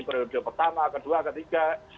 periode pertama kedua ketiga